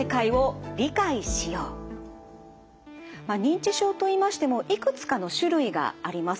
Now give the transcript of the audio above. まあ認知症といいましてもいくつかの種類があります。